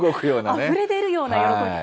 あふれ出るような喜び。